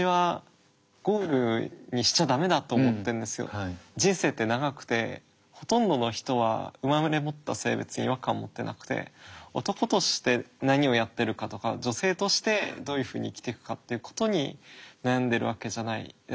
だから人生って長くてほとんどの人は生まれ持った性別に違和感持ってなくて男として何をやってるかとか女性としてどういうふうに生きていくかっていうことに悩んでるわけじゃないですか。